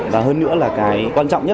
và hơn nữa là cái quan trọng nhất